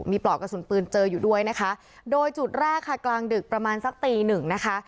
มีปลอกกระสุนปืนเจออยู่ด้วยนะคะโดยจุดแรกค่ะกลางดึกประมาณสักตีหนึ่งนะคะ